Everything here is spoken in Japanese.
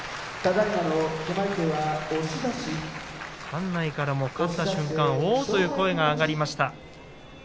館内からも勝った瞬間おおっという声が上がりました。